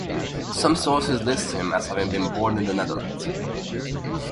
Some sources list him as having been born in the Netherlands.